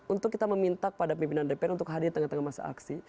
untuk kita meminta kepada pimpinan dpr untuk hadir tengah tengah masa aksi